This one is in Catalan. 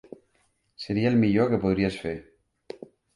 Seria el millor que podries fer.